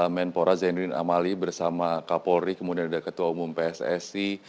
menpora zainuddin amali bersama kapolri kemudian ada ketua umum pssi